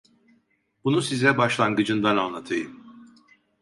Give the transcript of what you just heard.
Bunu size başlangıcından anlatayım: